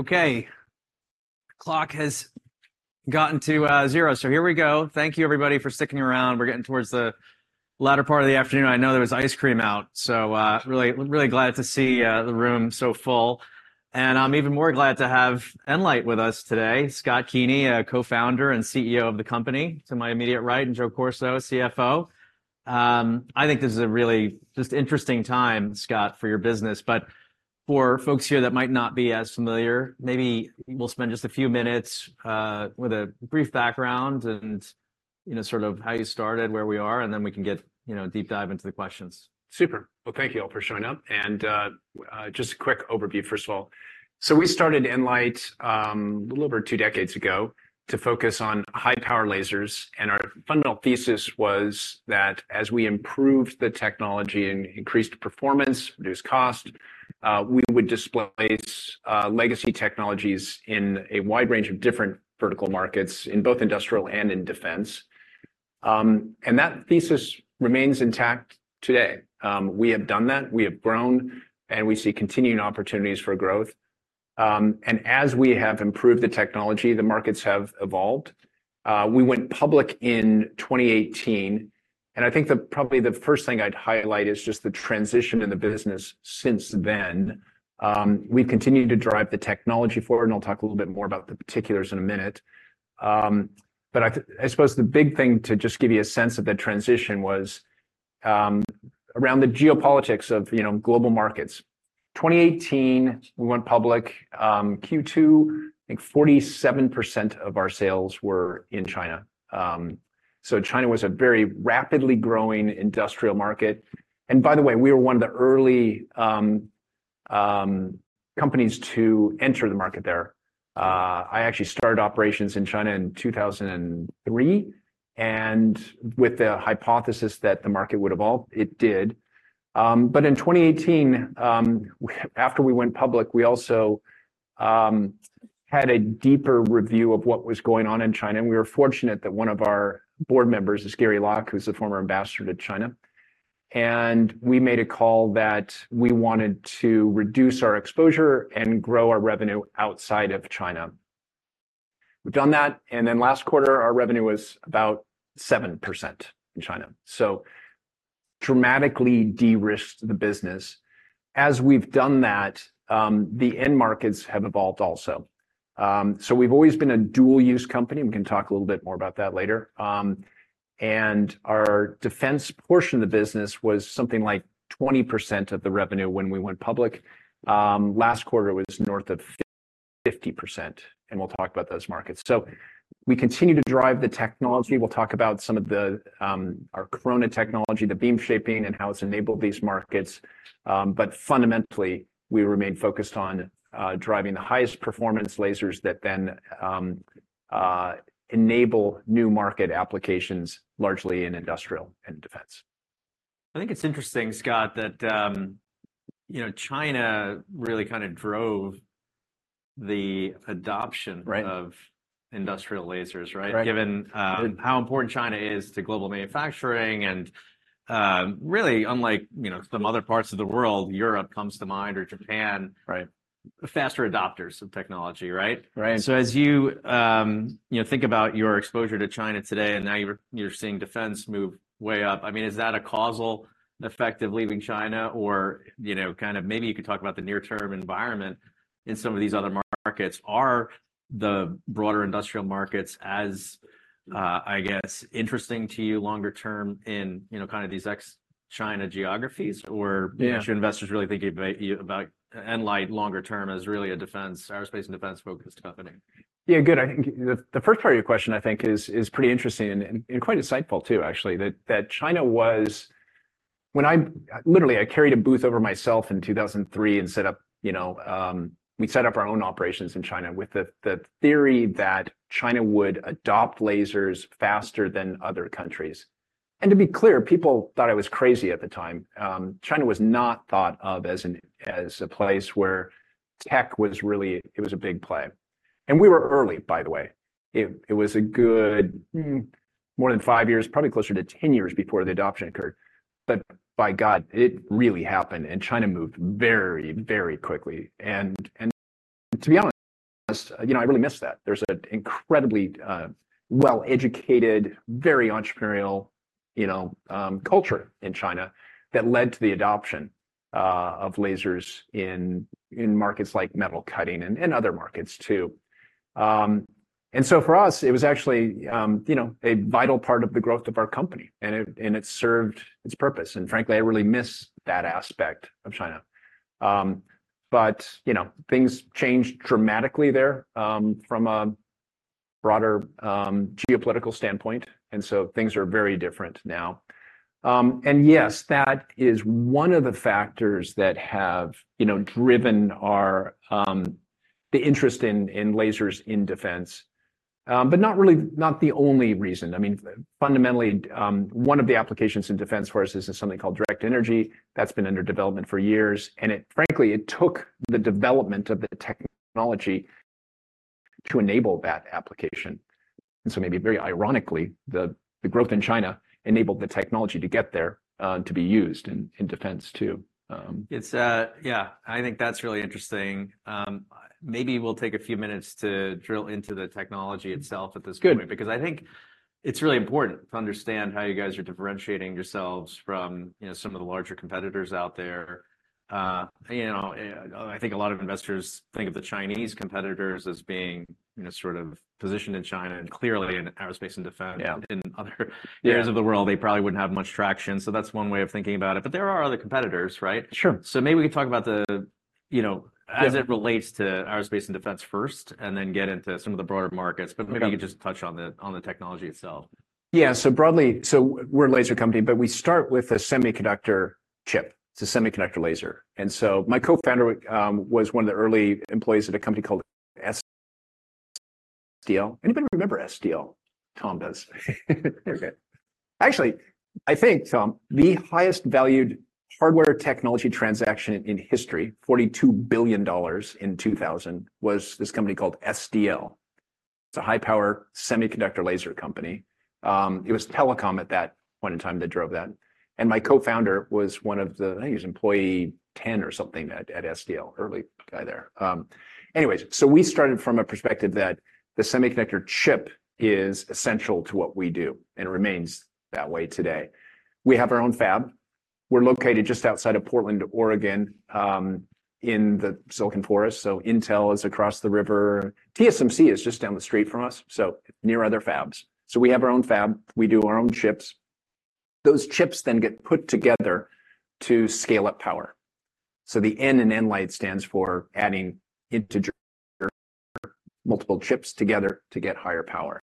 Okay, clock has gotten to zero, so here we go. Thank you everybody for sticking around. We're getting towards the latter part of the afternoon. I know there was ice cream out, so really, really glad to see the room so full. And I'm even more glad to have nLIGHT with us today. Scott Keeney, Co-Founder and CEO of the company, to my immediate right, and Joe Corso, CFO. I think this is a really just interesting time, Scott, for your business, but for folks here that might not be as familiar, maybe we'll spend just a few minutes with a brief background and, you know, sort of how you started, where we are, and then we can get, you know, deep dive into the questions. Super. Well, thank you all for showing up, and just a quick overview, first of all. So we started nLIGHT a little over two decades ago to focus on high-power lasers, and our fundamental thesis was that as we improved the technology and increased performance, reduced cost, we would displace legacy technologies in a wide range of different vertical markets, in both industrial and in defense. That thesis remains intact today. We have done that, we have grown, and we see continuing opportunities for growth. As we have improved the technology, the markets have evolved. We went public in 2018, and I think the, probably the first thing I'd highlight is just the transition in the business since then. We've continued to drive the technology forward, and I'll talk a little bit more about the particulars in a minute. But I suppose the big thing, to just give you a sense of that transition, was around the geopolitics of, you know, global markets. 2018, we went public. Q2, I think 47% of our sales were in China. So China was a very rapidly growing industrial market, and by the way, we were one of the early companies to enter the market there. I actually started operations in China in 2003, and with the hypothesis that the market would evolve. It did. But in 2018, after we went public, we also had a deeper review of what was going on in China, and we were fortunate that one of our board members is Gary Locke, who's a former ambassador to China. We made a call that we wanted to reduce our exposure and grow our revenue outside of China. We've done that, and then last quarter, our revenue was about 7% in China, so dramatically de-risked the business. As we've done that, the end markets have evolved also. We've always been a dual-use company, and we can talk a little bit more about that later. Our defense portion of the business was something like 20% of the revenue when we went public. Last quarter, it was north of 50%, and we'll talk about those markets. So we continue to drive the technology. We'll talk about some of the, our Corona technology, the beam shaping, and how it's enabled these markets. But fundamentally, we remain focused on, driving the highest performance lasers that then, enable new market applications, largely in industrial and defense. I think it's interesting, Scott, that, you know, China really kind of drove the adoption- Right. - of industrial lasers, right? Right. Given how important China is to global manufacturing, and really, unlike, you know, some other parts of the world, Europe comes to mind, or Japan- Right Faster adopters of technology, right? Right. So as you, you know, think about your exposure to China today, and now you're seeing defense move way up, I mean, is that a causal effect of leaving China or, you know, kind of maybe you could talk about the near-term environment in some of these other markets. Are the broader industrial markets as, I guess, interesting to you longer term in, you know, kind of these ex-China geographies? Or- Yeah Should investors really think about you, about nLIGHT longer term as really a defense, aerospace and defense-focused company? Yeah, good. I think the, the first part of your question, I think, is, is pretty interesting and, and quite insightful too, actually, that, that China was when I literally carried a booth over myself in 2003 and set up, you know, we set up our own operations in China with the, the theory that China would adopt lasers faster than other countries. And to be clear, people thought I was crazy at the time. China was not thought of as an as a place where tech was really, it was a big play. And we were early, by the way. It, it was a good, more than five years, probably closer to 10 years before the adoption occurred. But by God, it really happened, and China moved very, very quickly. And, and to be honest, you know, I really miss that. There's an incredibly well-educated, very entrepreneurial, you know, culture in China that led to the adoption of lasers in markets like metal cutting and other markets, too. And so for us, it was actually, you know, a vital part of the growth of our company, and it served its purpose, and frankly, I really miss that aspect of China. But you know, things changed dramatically there from a broader geopolitical standpoint, and so things are very different now. And yes, that is one of the factors that have, you know, driven our the interest in lasers in defense, but not really, not the only reason. I mean, fundamentally, one of the applications in defense for us is something called directed energy. That's been under development for years, and frankly, it took the development of the technology to enable that application. And so maybe very ironically, the growth in China enabled the technology to get there, to be used in defense, too. It's. Yeah, I think that's really interesting. Maybe we'll take a few minutes to drill into the technology itself at this point- Good Because I think it's really important to understand how you guys are differentiating yourselves from, you know, some of the larger competitors out there. You know, I think a lot of investors think of the Chinese competitors as being, you know, sort of positioned in China and clearly in aerospace and defense- Yeah in other areas of the world Yeah They probably wouldn't have much traction, so that's one way of thinking about it. But there are other competitors, right? Sure. Maybe we can talk about the, you know- Yeah as it relates to aerospace and defense first, and then get into some of the broader markets. Okay. But maybe you could just touch on the technology itself. Yeah. So broadly, so we're a laser company, but we start with a semiconductor chip. It's a semiconductor laser. And so my Co-Founder was one of the early employees at a company called SDL. Anybody remember SDL? Tom does. Actually, I think, Tom, the highest valued hardware technology transaction in history, $42 billion in 2000, was this company called SDL. It's a high-power semiconductor laser company. It was telecom at that point in time that drove that. And my Co-Founder was one of the I think he was employee 10 or something at SDL, early guy there. Anyways, so we started from a perspective that the semiconductor chip is essential to what we do, and it remains that way today. We have our own fab. We're located just outside of Portland, Oregon, in the Silicon Forest, so Intel is across the river. TSMC is just down the street from us, so near other fabs. So we have our own fab. We do our own chips. Those chips then get put together to scale up power. So the N in nLIGHT stands for adding integer, multiple chips together to get higher power.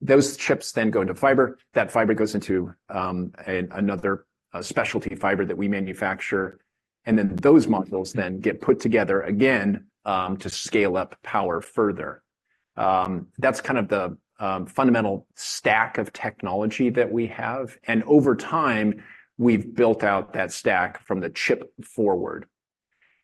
Those chips then go into fiber. That fiber goes into another specialty fiber that we manufacture, and then those modules get put together again to scale up power further. That's kind of the fundamental stack of technology that we have, and over time, we've built out that stack from the chip forward.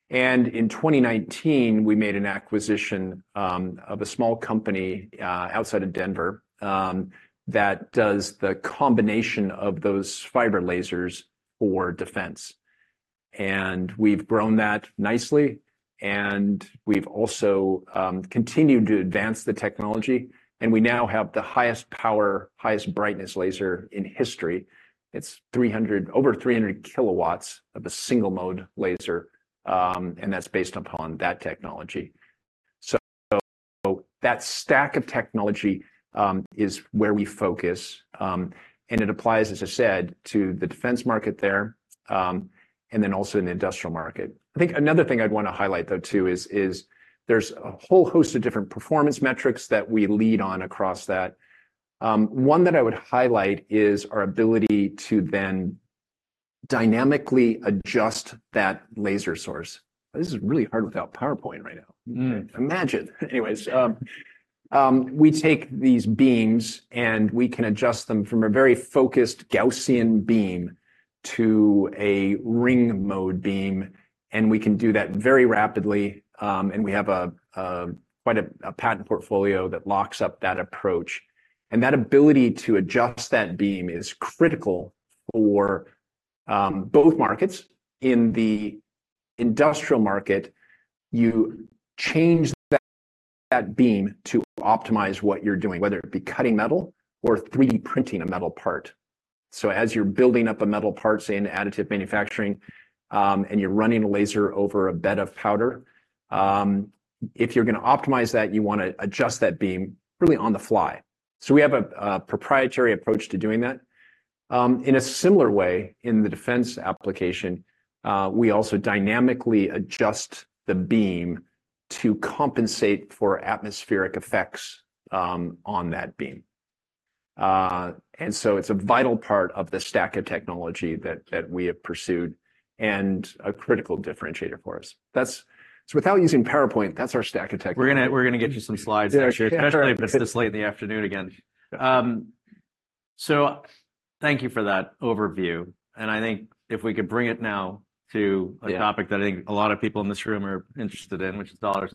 In 2019, we made an acquisition of a small company outside of Denver that does the combination of those fiber lasers for defense. We've grown that nicely, and we've also continued to advance the technology, and we now have the highest power, highest brightness laser in history. It's 300-over 300 kilowatts of a single mode laser, and that's based upon that technology. That stack of technology is where we focus, and it applies, as I said, to the defense market there, and then also in the industrial market. I think another thing I'd want to highlight, though, too, is there's a whole host of different performance metrics that we lead on across that. One that I would highlight is our ability to then dynamically adjust that laser source. This is really hard without PowerPoint right now. Mm. Imagine! Anyways, we take these beams, and we can adjust them from a very focused Gaussian beam to a ring mode beam, and we can do that very rapidly. And we have quite a patent portfolio that locks up that approach. And that ability to adjust that beam is critical for both markets. In the industrial market, you change that beam to optimize what you're doing, whether it be cutting metal or 3D printing a metal part. So as you're building up a metal part, say, in additive manufacturing, and you're running a laser over a bed of powder, if you're gonna optimize that, you want to adjust that beam really on the fly. So we have a proprietary approach to doing that. In a similar way, in the defense application, we also dynamically adjust the beam to compensate for atmospheric effects on that beam. And so it's a vital part of the stack of technology that we have pursued and a critical differentiator for us. That's so without using PowerPoint, that's our stack of technology. We're gonna get you some slides next year- Yeah Especially if it's this late in the afternoon again. So thank you for that overview, and I think if we could bring it now to- Yeah A topic that I think a lot of people in this room are interested in, which is dollars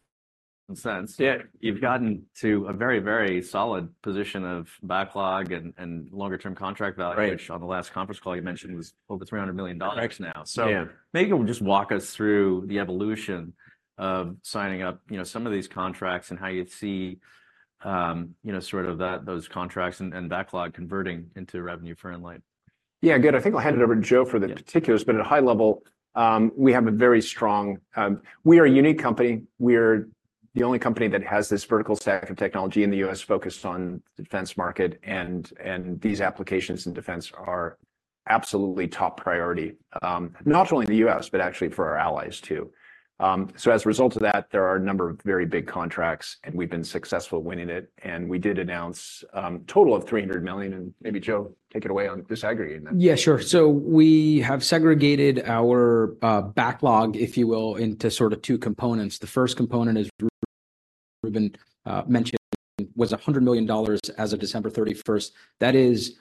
and cents. Yeah. You've gotten to a very, very solid position of backlog and, and longer-term contract value- Right - which on the last conference call you mentioned was over $300 million now. Yeah. So maybe you could just walk us through the evolution of signing up, you know, some of these contracts and how you see, you know, sort of that, those contracts and, and backlog converting into revenue for nLIGHT. Yeah, good. I think I'll hand it over to Joe for the particulars. Yeah But at a high level, we have a very strong we are a unique company. We're the only company that has this vertical stack of technology in the US focused on the defense market, and, and these applications in defense are absolutely top priority, not only in the US, but actually for our allies, too. So as a result of that, there are a number of very big contracts, and we've been successful winning it, and we did announce total of $300 million, and maybe, Joe, take it away on disaggregating that. Yeah, sure. So we have segregated our backlog, if you will, into sort of two components. The first component, as Ruben mentioned, was $100 million as of December 31st. That is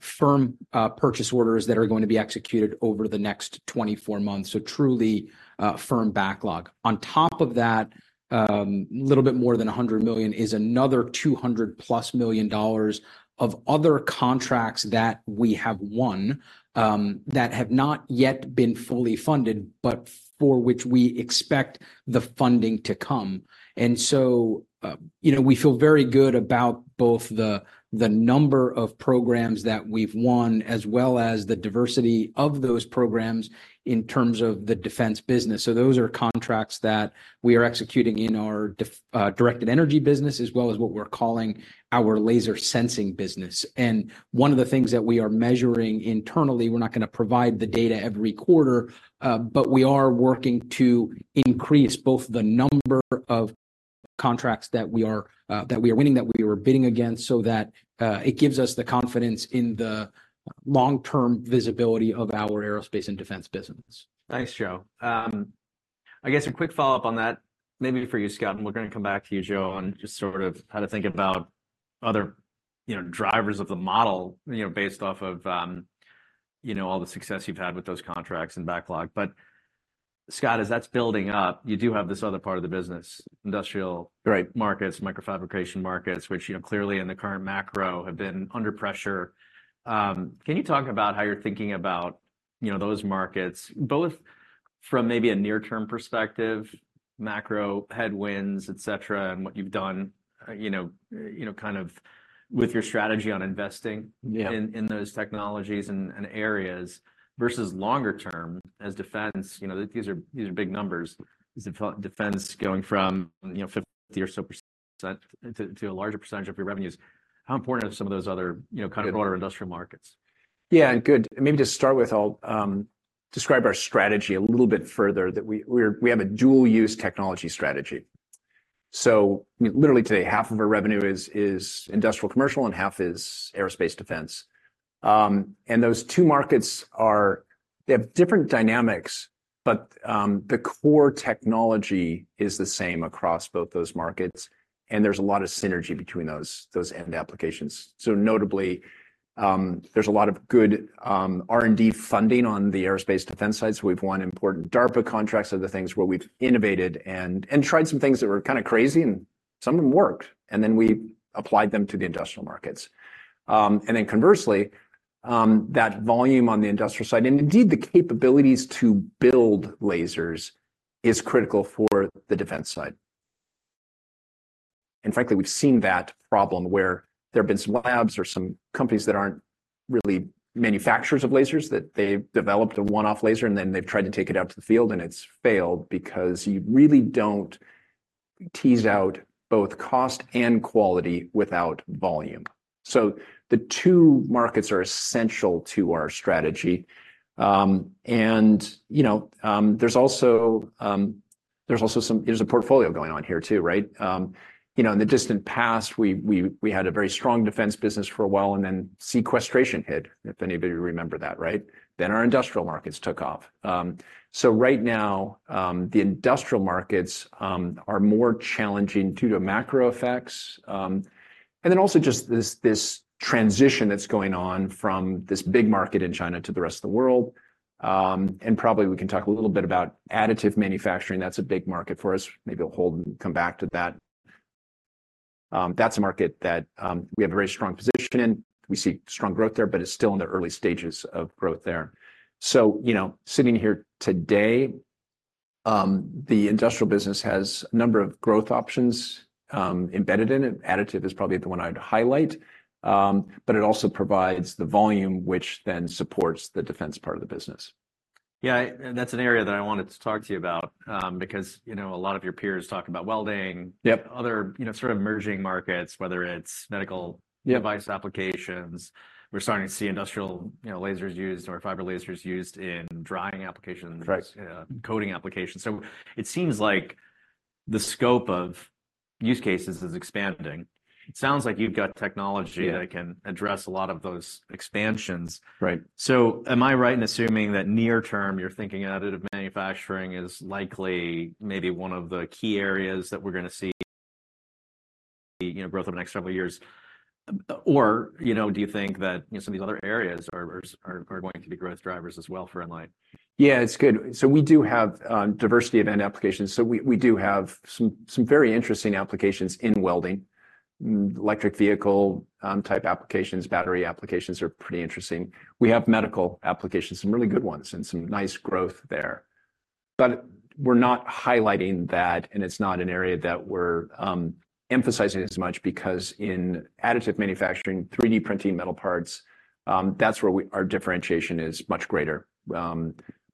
firm purchase orders that are going to be executed over the next 24 months, so truly, a firm backlog. On top of that, a little bit more than $100 million is another $200+ million dollars of other contracts that we have won, that have not yet been fully funded, but for which we expect the funding to come. And so, you know, we feel very good about both the number of programs that we've won, as well as the diversity of those programs in terms of the defense business. So those are contracts that we are executing in our def, directed energy business, as well as what we're calling our laser sensing business. And one of the things that we are measuring internally, we're not gonna provide the data every quarter, but we are working to increase both the number of contracts that we are, that we are winning, that we are bidding against, so that, it gives us the confidence in the long-term visibility of our aerospace and defense business. Thanks, Joe. I guess a quick follow-up on that, maybe for you, Scott, and we're gonna come back to you, Joe, on just sort of how to think about other, you know, drivers of the model, you know, based off of, you know, all the success you've had with those contracts and backlog. But Scott, as that's building up, you do have this other part of the business, industrial- Right. - markets, microfabrication markets, which, you know, clearly in the current macro, have been under pressure. Can you talk about how you're thinking about, you know, those markets, both from maybe a near-term perspective, macro, headwinds, et cetera, and what you've done, you know, you know, kind of with your strategy on investing? Yeah In those technologies and areas, versus longer term, as defense, you know, these are big numbers, is defense going from, you know, 50% or so to a larger percentage of your revenues, how important are some of those other, you know, kind of broader industrial markets? Yeah, good. Maybe to start with, I'll describe our strategy a little bit further, that we have a dual-use technology strategy. So literally today, half of our revenue is industrial, commercial, and half is aerospace defense. And those two markets are they have different dynamics, but the core technology is the same across both those markets, and there's a lot of synergy between those end applications. So notably, there's a lot of good R&D funding on the aerospace defense side, so we've won important DARPA contracts are the things where we've innovated and tried some things that were kind of crazy, and some of them worked, and then we applied them to the industrial markets. And then conversely, that volume on the industrial side, and indeed, the capabilities to build lasers is critical for the defense side. Frankly, we've seen that problem where there have been some labs or some companies that aren't really manufacturers of lasers, that they've developed a one-off laser, and then they've tried to take it out to the field, and it's failed because you really don't tease out both cost and quality without volume. So the two markets are essential to our strategy. And, you know, there's also a portfolio going on here, too, right? You know, in the distant past, we had a very strong defense business for a while, and then sequestration hit, if anybody would remember that, right? Then our industrial markets took off. So right now, the industrial markets are more challenging due to macro effects. And then also just this transition that's going on from this big market in China to the rest of the world. And probably we can talk a little bit about additive manufacturing. That's a big market for us. Maybe I'll hold and come back to that. That's a market that we have a very strong position in. We see strong growth there, but it's still in the early stages of growth there. So, you know, sitting here today, the industrial business has a number of growth options embedded in it. Additive is probably the one I'd highlight, but it also provides the volume, which then supports the defense part of the business. Yeah, and that's an area that I wanted to talk to you about, because, you know, a lot of your peers talk about welding- Yep. other, you know, sort of emerging markets, whether it's medical- Yeah Device applications. We're starting to see industrial, you know, lasers used or fiber lasers used in drying applications- Right Coating applications. So it seems like the scope of use cases is expanding. It sounds like you've got technology- Yeah that can address a lot of those expansions. Right. So am I right in assuming that near term, you're thinking additive manufacturing is likely maybe one of the key areas that we're gonna see, you know, growth over the next several years? Or, you know, do you think that, you know, some of these other areas are going to be growth drivers as well for nLIGHT? Yeah, it's good. So we do have diversity of end applications. So we do have some very interesting applications in welding. Electric vehicle type applications, battery applications are pretty interesting. We have medical applications, some really good ones, and some nice growth there. But we're not highlighting that, and it's not an area that we're emphasizing as much, because in additive manufacturing, 3D printing metal parts, that's where we, our differentiation is much greater.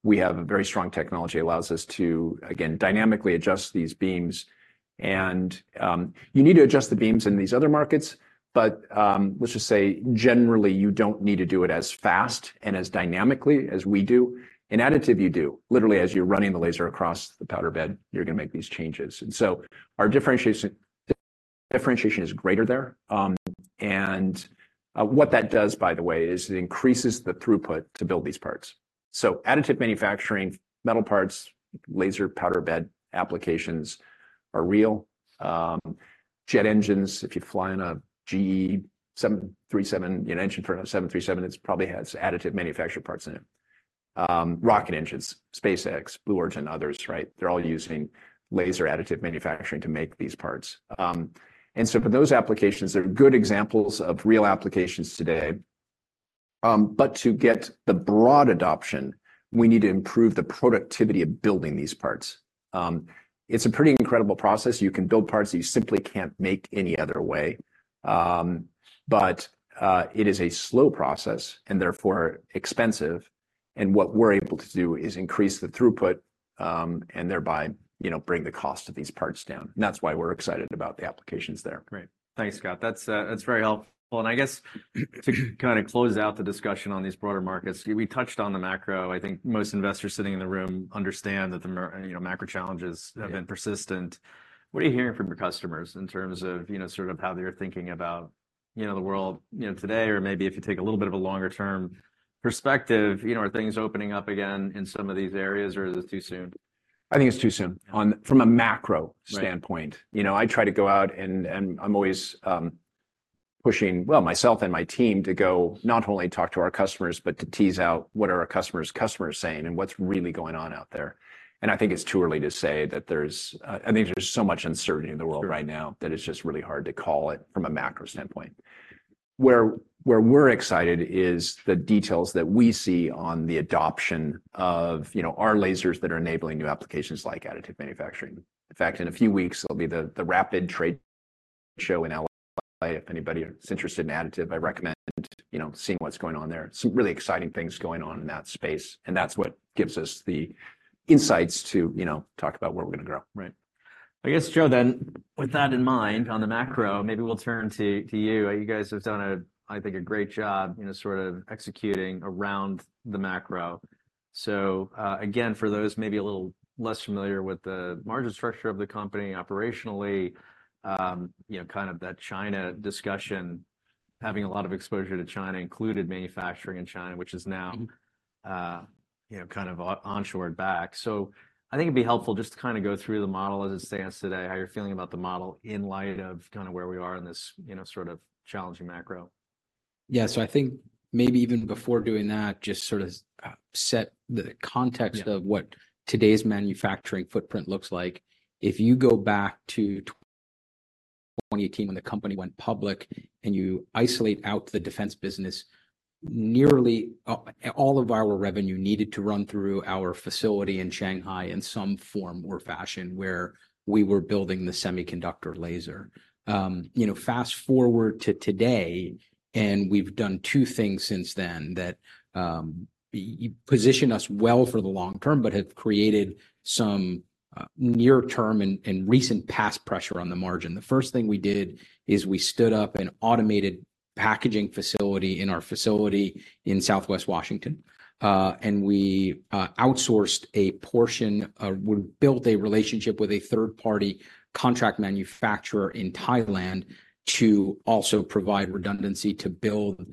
We have a very strong technology, allows us to, again, dynamically adjust these beams, and you need to adjust the beams in these other markets, but let's just say, generally, you don't need to do it as fast and as dynamically as we do. In additive, you do. Literally, as you're running the laser across the powder bed, you're gonna make these changes. Our differentiation, differentiation is greater there, and what that does, by the way, is it increases the throughput to build these parts. So additive manufacturing, metal parts, laser powder bed applications are real. Jet engines, if you fly on a GE 737, an engine for a 737, it probably has additive manufactured parts in it. Rocket engines, SpaceX, Blue Origin, others, right? They're all using laser additive manufacturing to make these parts. And so for those applications, they're good examples of real applications today. But to get the broad adoption, we need to improve the productivity of building these parts. It's a pretty incredible process. You can build parts that you simply can't make any other way. It is a slow process, and therefore, expensive, and what we're able to do is increase the throughput, and thereby, you know, bring the cost of these parts down, and that's why we're excited about the applications there. Great. Thanks, Scott. That's, that's very helpful. And I guess to kind of close out the discussion on these broader markets, we touched on the macro. I think most investors sitting in the room understand that you know, macro challenges- Yeah Have been persistent. What are you hearing from your customers in terms of, you know, sort of how they're thinking about, you know, the world, you know, today? Or maybe if you take a little bit of a longer-term perspective, you know, are things opening up again in some of these areas, or is it too soon? I think it's too soon on, from a macro standpoint. Right. You know, I try to go out, and, and I'm always, pushing, well, myself and my team to go not only talk to our customers, but to tease out what are our customers' customers saying, and what's really going on out there. And I think it's too early to say that there's I think there's so much uncertainty in the world right now. Sure That it's just really hard to call it from a macro standpoint. Where we're excited is the details that we see on the adoption of, you know, our lasers that are enabling new applications like additive manufacturing. In fact, in a few weeks, there'll be the RAPID Trade Show in L.A. If anybody is interested in additive, I recommend, you know, seeing what's going on there. Some really exciting things going on in that space, and that's what gives us the insights to, you know, talk about where we're gonna grow. Right. I guess, Joe, then, with that in mind, on the macro, maybe we'll turn to, to you. You guys have done a, I think, a great job, you know, sort of executing around the macro. So, again, for those maybe a little less familiar with the margin structure of the company operationally, you know, kind of that China discussion, having a lot of exposure to China, including manufacturing in China, which is now- Mm-hmm You know, kind of onshored back. So I think it'd be helpful just to kind of go through the model as it stands today, how you're feeling about the model in light of kind of where we are in this, you know, sort of challenging macro. Yeah. So I think maybe even before doing that, just sort of, set the context of- Yeah Today's manufacturing footprint looks like. If you go back to 2018 when the company went public, and you isolate out the defense business, nearly all of our revenue needed to run through our facility in Shanghai in some form or fashion, where we were building the semiconductor laser. You know, fast-forward to today, and we've done two things since then that position us well for the long term but have created some near-term and recent past pressure on the margin. The first thing we did is we stood up an automated packaging facility in our facility in Southwest Washington, and we outsourced a portion, we built a relationship with a third-party contract manufacturer in Thailand to also provide redundancy to build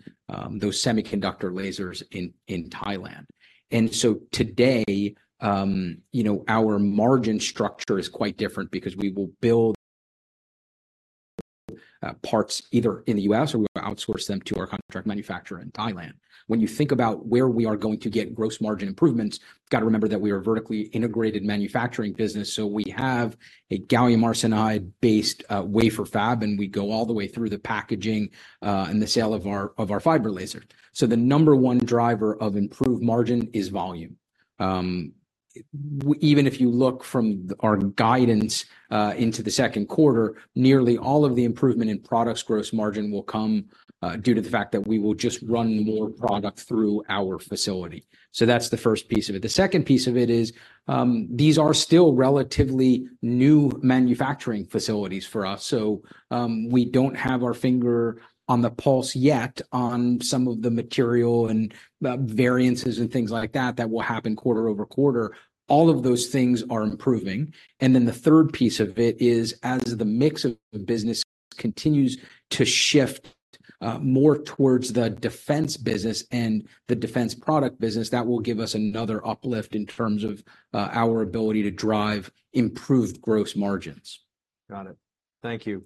those semiconductor lasers in Thailand. So today, you know, our margin structure is quite different because we will build parts either in the U.S., or we outsource them to our contract manufacturer in Thailand. When you think about where we are going to get gross margin improvements, you've got to remember that we are a vertically integrated manufacturing business, so we have a gallium arsenide-based wafer fab, and we go all the way through the packaging and the sale of our fiber laser. So the number one driver of improved margin is volume. Even if you look from our guidance into the second quarter, nearly all of the improvement in products gross margin will come due to the fact that we will just run more product through our facility. So that's the first piece of it. The second piece of it is, these are still relatively new manufacturing facilities for us, so, we don't have our finger on the pulse yet on some of the material and the variances and things like that, that will happen quarter-over-quarter. All of those things are improving. And then the third piece of it is, as the mix of the business continues to shift, more towards the defense business and the defense product business, that will give us another uplift in terms of, our ability to drive improved gross margins. Got it. Thank you.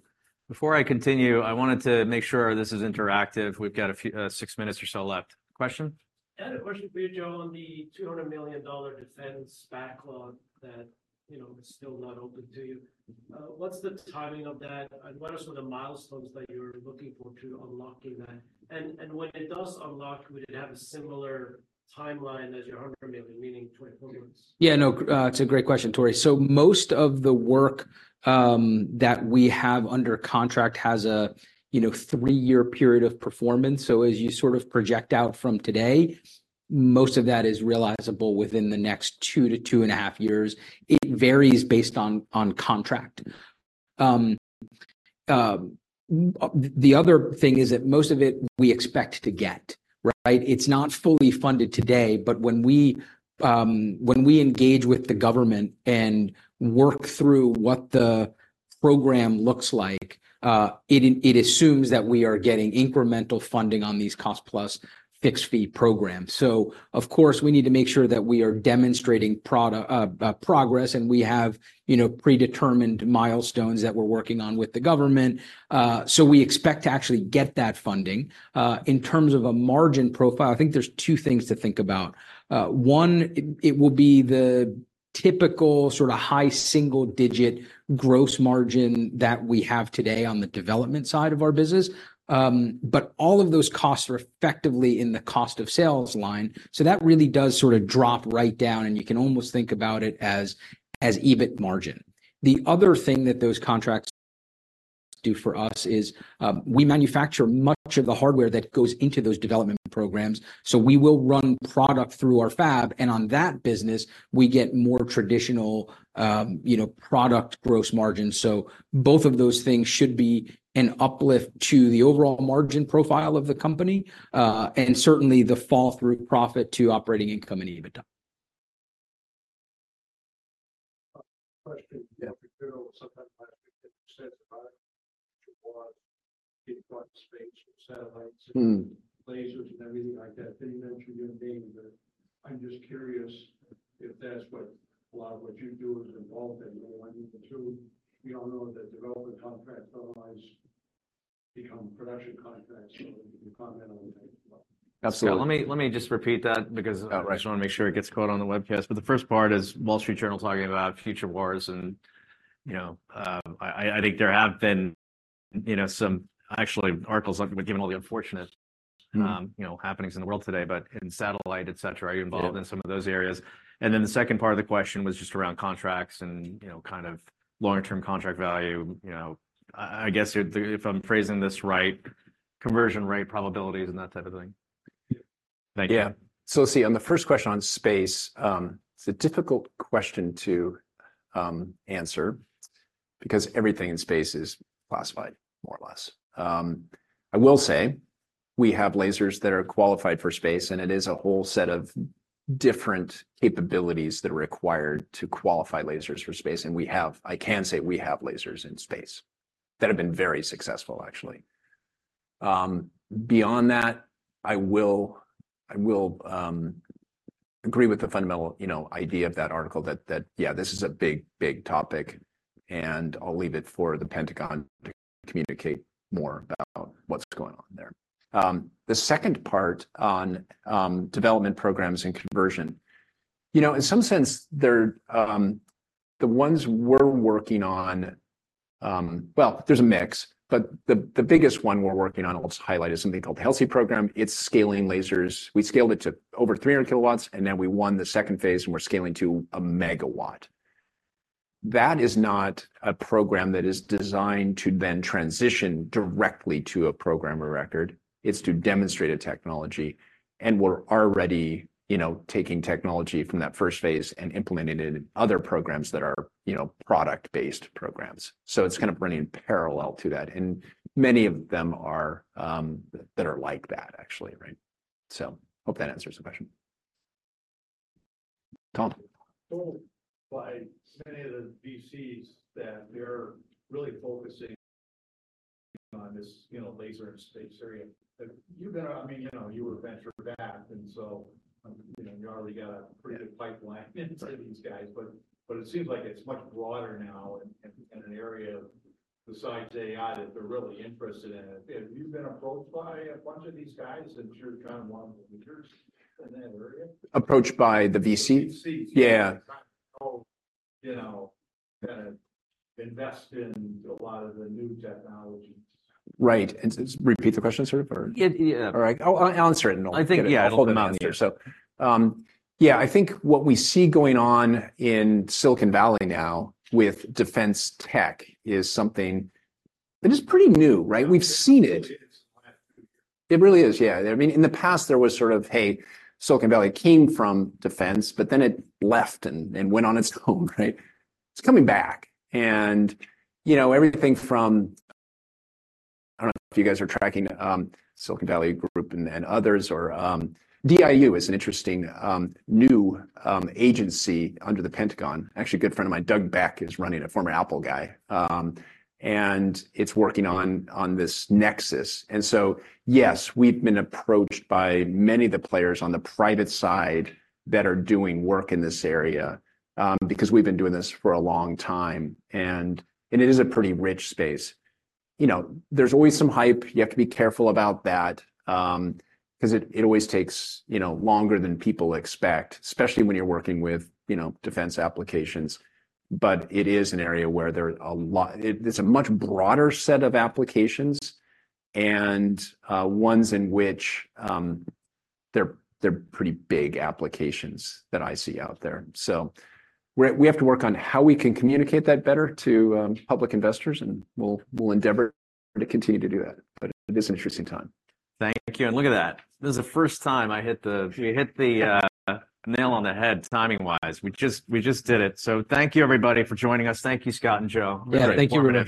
Before I continue, I wanted to make sure this is interactive. We've got a few, six minutes or so left. Question? I had a question for you, Joe, on the $200 million defense backlog that, you know, is still not open to you. What's the timing of that, and what are some of the milestones that you're looking for to unlocking that? And, and when it does unlock, would it have a similar timeline as your $100 million, meaning 24 months? Yeah, no, it's a great question, Troy. So most of the work that we have under contract has a, you know, three year period of performance. So as you sort of project out from today, most of that is realizable within the next 2-2.5 years. It varies based on contract. The other thing is that most of it we expect to get, right? It's not fully funded today, but when we, when we engage with the government and work through what the- Program looks like, it assumes that we are getting incremental funding on these cost-plus fixed-fee programs. So of course, we need to make sure that we are demonstrating progress, and we have, you know, predetermined milestones that we're working on with the government. So we expect to actually get that funding. In terms of a margin profile, I think there's two things to think about. One, it will be the typical sort of high single-digit gross margin that we have today on the development side of our business. But all of those costs are effectively in the cost of sales line, so that really does sort of drop right down, and you can almost think about it as EBIT margin. The other thing that those contracts do for us is, we manufacture much of the hardware that goes into those development programs, so we will run product through our fab, and on that business, we get more traditional, you know, product gross margin. So both of those things should be an uplift to the overall margin profile of the company, and certainly the fall-through profit to operating income and EBITDA. Question. Yeah. Sometimes said about future wars in front of space and satellites. Mm. Lasers and everything like that. They mentioned your name, but I'm just curious if that's what a lot of what you do is involved in one or two. We all know that development contracts otherwise become production contracts, so if you can comment on that as well. Absolutely. Let me just repeat that because- Right I just want to make sure it gets caught on the webcast. But the first part is Wall Street Journal talking about future wars, and, you know, some actually articles, given all the unfortunate, you know, happenings in the world today, but in satellite, et cetera- Yeah Are you involved in some of those areas? And then the second part of the question was just around contracts and, you know, kind of long-term contract value. You know, I, I guess if I'm phrasing this right, conversion rate probabilities and that type of thing. Yeah. Thank you. Yeah. So let's see, on the first question on space, it's a difficult question to answer because everything in space is classified, more or less. I will say we have lasers that are qualified for space, and it is a whole set of different capabilities that are required to qualify lasers for space. And we have—I can say we have lasers in space that have been very successful, actually. Beyond that, I will agree with the fundamental, you know, idea of that article that, yeah, this is a big, big topic, and I'll leave it for the Pentagon to communicate more about what's going on there. The second part on development programs and conversion, you know, in some sense, they're the ones we're working on, well, there's a mix, but the biggest one we're working on, I'll just highlight, is something called the HELSI Program. It's scaling lasers. We scaled it to over 300 kilowatts, and then we won the second phase, and we're scaling to 1 megawatt. That is not a program that is designed to then transition directly to a program of record. It's to demonstrate a technology, and we're already, you know, taking technology from that first phase and implementing it in other programs that are, you know, product-based programs. So it's kind of running parallel to that, and many of them are that are like that, actually, right? So I hope that answers the question. Tom? Told by many of the VCs that they're really focusing on this, you know, laser and space area. You've been I mean, you know, you were venture-backed, and so, you know, you already got a pretty good pipeline into these guys. But, but it seems like it's much broader now and, and an area besides AI that they're really interested in. Have you been approached by a bunch of these guys, since you're kind of one of the leaders in that area? Approached by the VCs? VCs. Yeah. You know, invest in a lot of the new technologies. Right. And repeat the question, sir, or? Yeah, yeah. All right. I'll answer it, and I'll- I think, yeah, I'll hold it in there. So, yeah, I think what we see going on in Silicon Valley now with defense tech is something that is pretty new, right? We've seen it. It is. It really is. Yeah. I mean, in the past, there was sort of, Hey, Silicon Valley came from defense, but then it left and, and went on its own, right? It's coming back. And, you know, everything from, I don't know if you guys are tracking, Silicon Valley Defense Group and others, or, DIU is an interesting, new, agency under the Pentagon. Actually, a good friend of mine, Doug Beck, is running it, a former Apple guy, and it's working on, on this nexus. And so, yes, we've been approached by many of the players on the private side that are doing work in this area, because we've been doing this for a long time, and, and it is a pretty rich space. You know, there's always some hype. You have to be careful about that, 'cause it always takes, you know, longer than people expect, especially when you're working with, you know, defense applications. But it is an area where there are a lot it's a much broader set of applications and ones in which they're pretty big applications that I see out there. So we have to work on how we can communicate that better to public investors, and we'll endeavor to continue to do that, but it is an interesting time. Thank you. Look at that. This is the first time I hit the nail on the head, timing-wise. We just did it. So thank you, everybody, for joining us. Thank you, Scott and Joe. Yeah, thank you, Ruben.